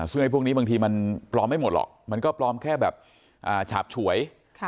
ซึ่งพวกนี้บางทีมันปลอมไม่หมดหรอกมันก็ปลอมแค่แบบฉาบฉวย